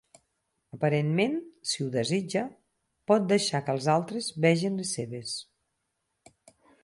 Aparentment, si ho desitja, pot deixar que els altres vegin les seves.